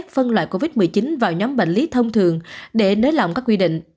phân loại covid một mươi chín vào nhóm bệnh lý thông thường để nới lỏng các quy định